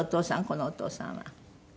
このお父さんは。